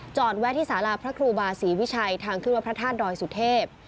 แวะที่สาราพระครูบาศรีวิชัยทางขึ้นวัดพระธาตุดอยสุเทพ